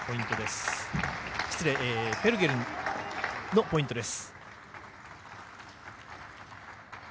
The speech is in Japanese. ぺルゲルのポイントです。